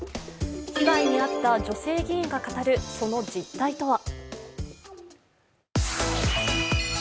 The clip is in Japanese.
被害に遭った女性議員が語るその実態とは。